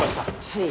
はい。